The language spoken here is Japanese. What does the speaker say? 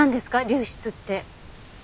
流出って。